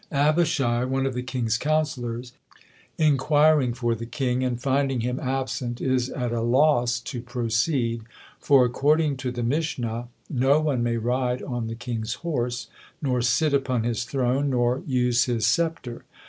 Abishai, one of the king's counsellors, inquiring for the king, and finding him absent, is at a loss to proceed, for according to the Mishna, no one may ride on the king's horse, nor sit upon his throne, nor use his sceptre.